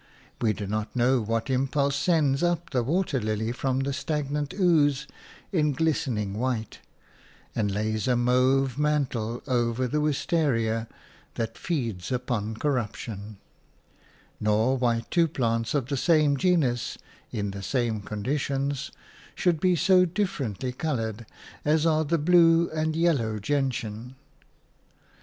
We do not know what impulse sends up the water lily from the stagnant ooze in glistening white, and lays a mauve mantle over the wistaria that feeds upon corruption; nor why two plants of the same genus in the same conditions should be so differently coloured as are the blue and yellow gentian.